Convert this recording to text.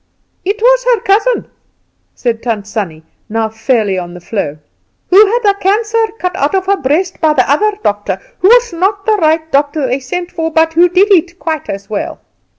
"It was her cousin," said Tant Sannie, now fairly on the flow, "who had the cancer cut out of her breast by the other doctor, who was not the right doctor they sent for, but who did it quite as well."